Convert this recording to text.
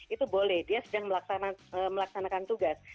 itu boleh dia sedang melaksanakan tugas